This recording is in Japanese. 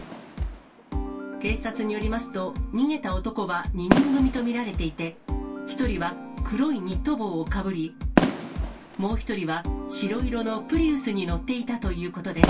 警察によりますと、逃げた男は２人組と見られていて、１人は黒いニット帽をかぶり、もう１人は白色のプリウスに乗っていたということです。